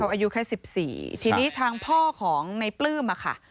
อายุแค่สิบสี่ทีนี้ทางพ่อของในปลื้มอะค่ะ